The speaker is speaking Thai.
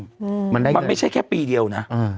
มันได้เงินจริงมันไม่ใช่แค่ปีเดียวนะ